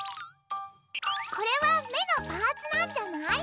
これはめのパーツなんじゃない？